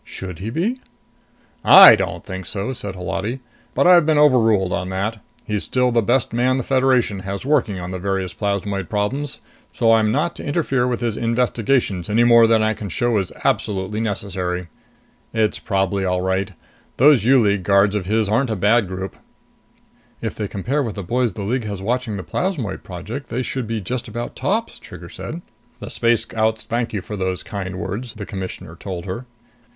"Should he be?" "I don't think so," said Holati. "But I've been overruled on that. He's still the best man the Federation has working on the various plasmoid problems, so I'm not to interfere with his investigations any more than I can show is absolutely necessary. It's probably all right. Those U League guards of his aren't a bad group." "If they compare with the boys the League had watching the Plasmoid Project, they should be just about tops," Trigger said. "The Space Scouts thank you for those kind words," the Commissioner told her.